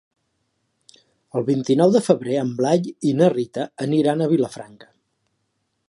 El vint-i-nou de febrer en Blai i na Rita aniran a Vilafranca.